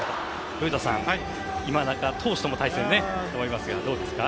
古田さん、今中投手とも対戦があると思いますがどうですか？